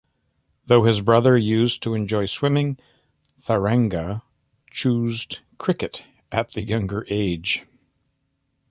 Though his brother used to enjoy swimming, Tharanga choosed cricket at the younger age.